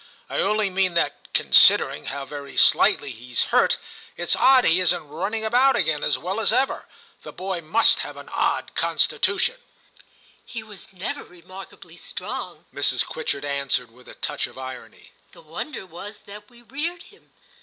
I only mean that, considering how very slightly he's hurt, it's odd he isn't running about again as well as ever. The boy must have an odd constitution. ' Ill TIM 41 ' He was never remarkably strong,' Mrs. Quitchett answered, with a touch of irony ;' the wonder was that we reared him.